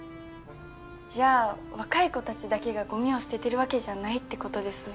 じゃあ若い子たちだけがゴミを捨ててるわけじゃないってことですね。